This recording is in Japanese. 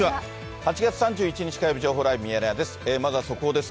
８月３１日火曜日、情報ライブミヤネ屋です。